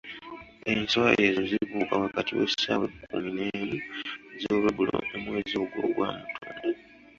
Enswa ezo zibuuka wakati w'essaawa ekkumu n'emu ez'olweggulo mu mwezi ogwo ogwa Mutunda.